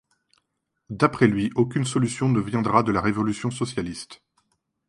D'après lui, aucune solution ne viendra de la révolution socialiste.